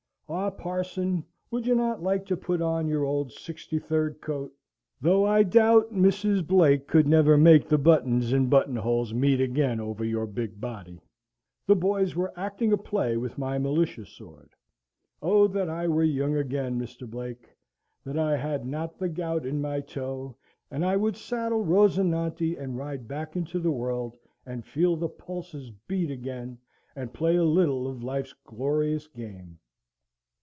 Ah, parson! would you not like to put on your old Sixty third coat? (though I doubt Mrs. Blake could never make the buttons and button holes meet again over your big body). The boys were acting a play with my militia sword. Oh, that I were young again, Mr. Blake! that I had not the gout in my toe; and I would saddle Rosinante and ride back into the world, and feel the pulses beat again, and play a little of life's glorious game!